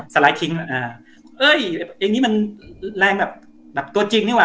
สไลด์ทิ้งเอ๊ยอย่างนี้มันแรงแบบตัวจริงนี่ว่ะ